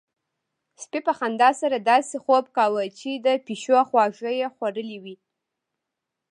سپي په خندا سره داسې خوب کاوه چې د پيشو خواږه يې خوړلي وي.